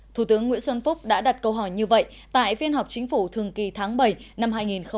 thủ tướng nguyễn xuân phúc đã đặt câu hỏi như vậy tại phiên họp chính phủ thường kỳ tháng bảy năm hai nghìn một mươi chín